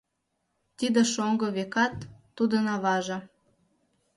Тиде шоҥго, векат, тудын аваже.